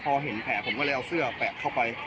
พอเห็นแผลผมก็เลยเอาเสื้อแปะเข้าไป